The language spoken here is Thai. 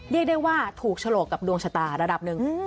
เรียกได้ว่าถูกฉลกกับดวงชะตาระดับหนึ่ง